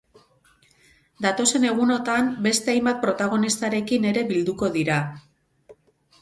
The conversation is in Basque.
Datozen egunotan beste hainbat protagonistarekin ere bilduko dira.